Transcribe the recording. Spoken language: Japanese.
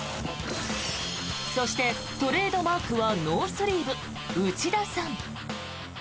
そして、トレードマークはノースリーブ、内田さん。